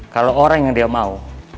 kalau orang yang dia mau